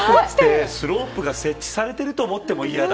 スロープが設置されてると思っても嫌だ。